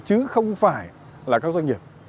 chứ không phải là các doanh nghiệp